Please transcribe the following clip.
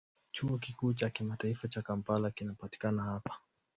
Chuo Kikuu cha Kimataifa cha Kampala kinapatikana hapa.